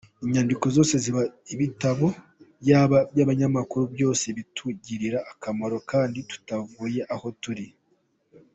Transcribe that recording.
Inyandiko zose zaba ibitabo, byaba ibinyamakuru byose bitugirira akamaro kandi tutavuye aho turi.